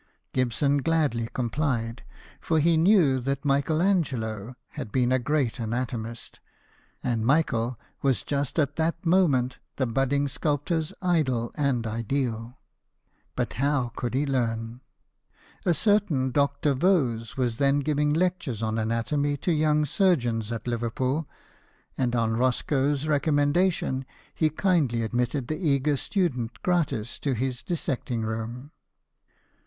Gibson gladly complied, for he knew that Michael Angelo had been a great anatomist, and Michael was just at that; moment the budding sculptor's idol and ideal. But how could he learn ? A certain Dr. Vose was then giving lectures on anatomy to young surgeons at Liverpool, and on Roscoe's recommendation he kindly admitted the eager student gratis to his dissecting room.